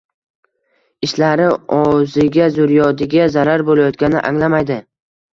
Ishlari o‘ziga, zurriyodiga zarar bo‘layotganini anglamaydi.